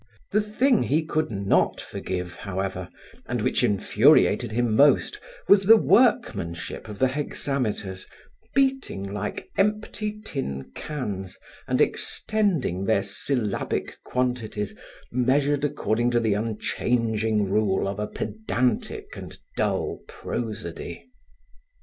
The thing he could not forgive, however, and which infuriated him most, was the workmanship of the hexameters, beating like empty tin cans and extending their syllabic quantities measured according to the unchanging rule of a pedantic and dull prosody.